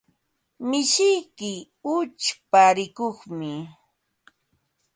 Mishiyki uchpa rikuqmi.